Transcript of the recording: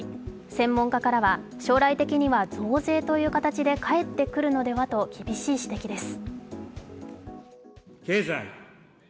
専門家からは将来的には増税という形で返ってくるのではと厳しい指摘です。